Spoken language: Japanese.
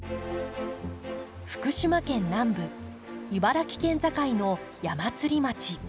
福島県南部茨城県境の矢祭町。